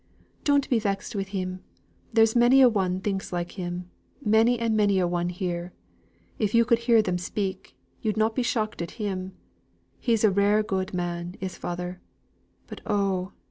"Don't be vexed wi' him there's many a one thinks like him: many and many a one here. If yo' could hear them speak, yo'd not be shocked at him; he's a rare good man, is father but oh!"